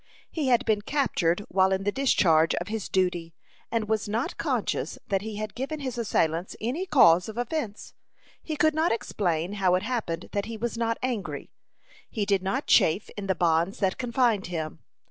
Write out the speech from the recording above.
He had been captured while in the discharge of his duty, and was not conscious that he had given his assailants any cause of offence. He could not explain how it happened that he was not angry. He did not chafe in the bonds that confined him.